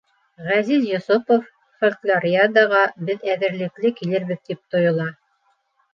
Ғәзиз Йосопов: Фольклориадаға беҙ әҙерлекле килербеҙ тип тойола.